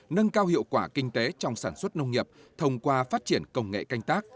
nâng cao hiệu quả kinh tế trong sản xuất nông nghiệp thông qua phát triển công nghệ canh tác